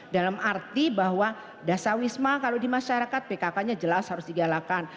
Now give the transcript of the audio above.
dalam arti bahwa dasar wisma kalau di masyarakat pkk nya jelas harus digalakan